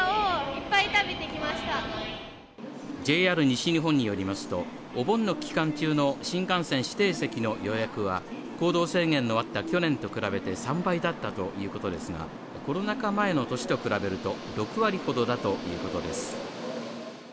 ＪＲ西日本によりますとお盆の期間中の新幹線指定席の予約は行動制限のあった去年と比べて３倍だったということですが、コロナ禍前の年と比べると６割ほどだったということです。